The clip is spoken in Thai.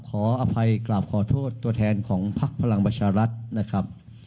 ขออภัยกราบขอโทษตัวแทนของพักพลังประชารัฐนะครับ